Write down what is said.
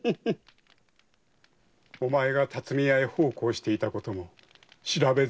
お前が巽屋へ奉公していたことも調べ済みだよ。